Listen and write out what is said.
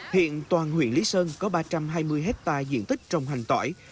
hiện toàn huyện lý sơn có ba trăm hai mươi hectare diện tích trồng hành tỏi